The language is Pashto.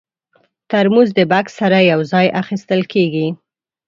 ترموز د بکس سره یو ځای اخیستل کېږي.